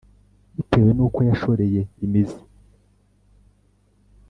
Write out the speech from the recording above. bitewe n uko yashoreye imizi